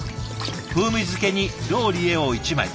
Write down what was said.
風味づけにローリエを１枚。